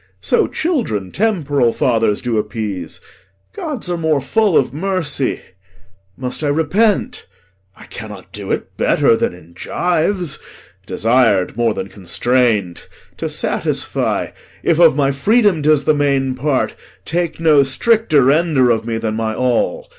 So children temporal fathers do appease; Gods are more full of mercy. Must I repent, I cannot do it better than in gyves, Desir'd more than constrain'd. To satisfy, If of my freedom 'tis the main part, take No stricter render of me than my all.